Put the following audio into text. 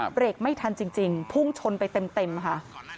เบรกไม่ทันจริงพุ่งชนไปเต็มค่ะ